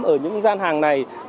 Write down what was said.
ở những gian hàng này